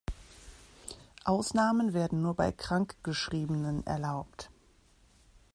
Ausnahmen werden nur bei Krankgeschriebenen erlaubt.